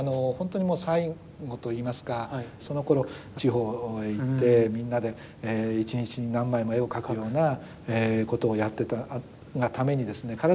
ほんとにもう最後といいますかそのころ地方へ行ってみんなで一日に何枚も絵を描くようなことをやってたがためにですね